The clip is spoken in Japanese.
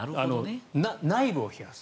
内部を冷やす。